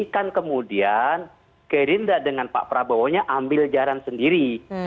kan kemudian gerinda dengan pak prabowonya ambil jalan sendiri